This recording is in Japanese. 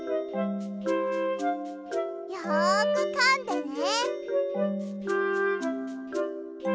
よくかんでね。